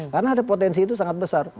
karena ada potensi itu sangat besar